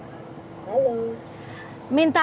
minta tolong tutup jendela sebelah sini ya pak ya